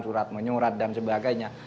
surat menyurat dan sebagainya